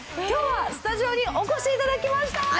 きょうはスタジオにお越しいただきました。